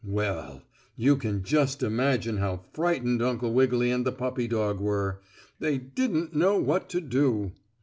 Well, you can just imagine how frightened Uncle Wiggily and the puppy dog were. They didn't know what to do.